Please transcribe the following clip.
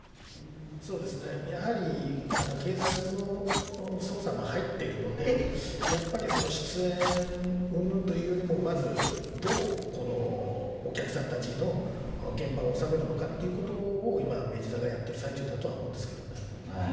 そうですね、やはり警察の捜査も入ってるので、やっぱり出演うんぬんというよりも、まず、どう、このお客さんたちの現場を収めるのかということを、今、明治座がやってる最中だと思うんですけどね。